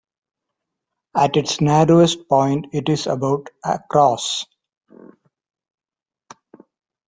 At its narrowest point, it is about across.